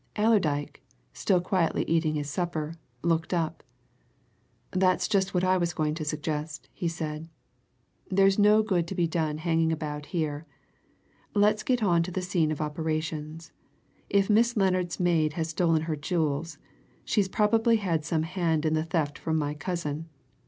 Allerdyke, still quietly eating his supper, looked up. "That's just what I was going to suggest," he said. "There's no good to be done hanging about here. Let's get on to the scene of operations. If Miss Lennard's maid has stolen her jewels, she's probably had some hand in the theft from my cousin.